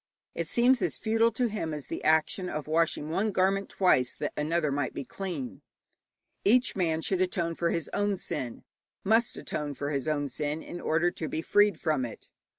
It seems as futile to him as the action of washing one garment twice that another might be clean. Each man should atone for his own sin, must atone for his own sin, in order to be freed from it.